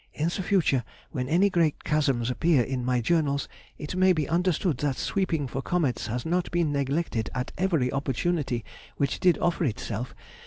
_ In the future when any great chasms appear in my journals, it may be understood that sweeping for comets has not been neglected at every opportunity which did offer itself.